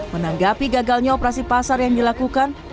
menanggapi gagalnya operasi pasar yang dilakukan